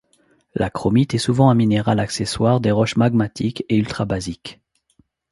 La chromite est souvent un minéral accessoire des roches magmatiques et ultrabasiques.